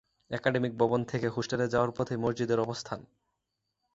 Academic ভবন থেকে হোস্টেলে যাওয়ার পথেই মসজিদের অবস্থান।